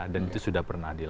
dan itu sudah pernah dilakukan